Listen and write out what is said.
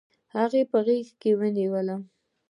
هغه په غېږ کې ونیولم.